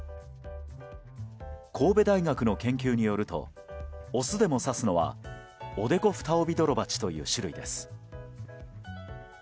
神戸大学の研究によるとオスでも刺すのはオデコフタオビドロバチという種類です。